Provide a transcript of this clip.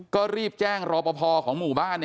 ก็รีบแจ้งรอปภของหมู่บ้าน